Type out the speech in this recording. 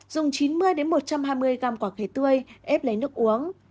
dùng chín mươi một trăm hai mươi gram quả khế tươi ép lấy nước uống